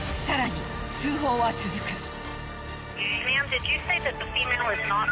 更に通報は続く。